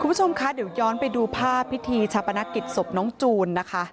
คุณผู้ชมคะเดี๋ยวย้อนไปดูภาพพิธีชาปนกิจศพน้องจูนนะคะ